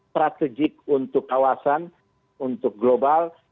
strategik untuk kawasan untuk global